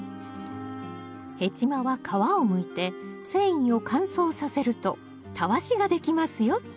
ヘチマは皮をむいて繊維を乾燥させるとたわしができますよ